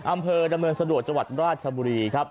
อำเภอดำเนินสะดวกจังหวัดราชบุรีครับ